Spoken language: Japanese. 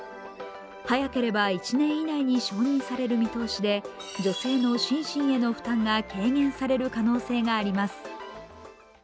早ければ１年以内に承認される見通しで女性の心身への負担が軽減される可能性があります。